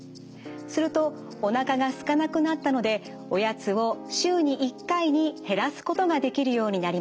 するとおなかがすかなくなったのでおやつを週に１回に減らすことができるようになりました。